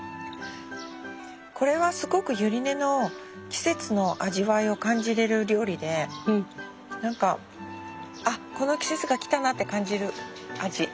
これはすごくユリ根の季節の味わいを感じれる料理で何かこの季節がきたなって感じる味。